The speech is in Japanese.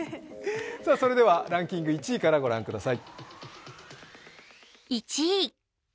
それではランキング１位からご覧ください。